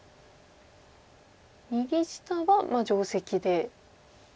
右下が定石で。